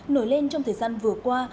nổi lên trong thời gian vừa qua